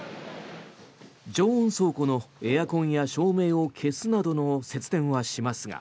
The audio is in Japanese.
常温倉庫のエアコンや照明を消すなどの節電はしますが。